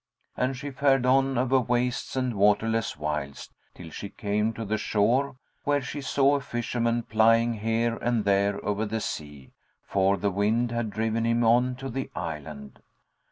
And she fared on over wastes and waterless wilds, till she came to the shore, where she saw a fisherman plying here and there over the sea, for the wind had driven him on to the island.